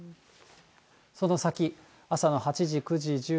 その先、朝の８時、９時、１０時。